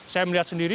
saya melihat sendiri